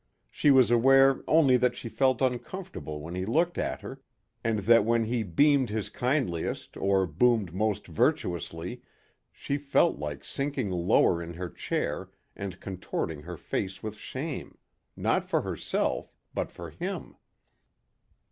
She was aware only that she felt uncomfortable when he looked at her and that when he beamed his kindliest or boomed most virtuously, she felt like sinking lower in her chair and contorting her face with shame, not for herself but for him.